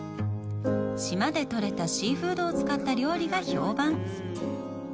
島でとれたシーフードを使った料理が評判。